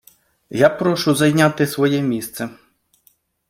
я прошу зайняти своє місце!